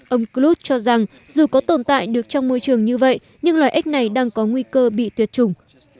ông chrut cho rằng dù có tồn tại được trong môi trường như vậy nhưng loài ếch này đang có nguy cơ bị tuyệt chủng